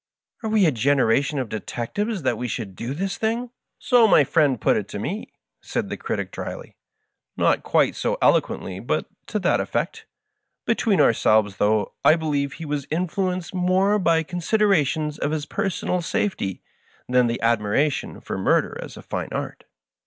Are we a generation of detectives, that we should do this thing? "" So my friend put it to me," said the Critic dryly, " not quite so eloquently, but to that effect. Between ourselves, though, I believe he was influenced more by considerations of his personal safety than by admiration for murder as a fine art.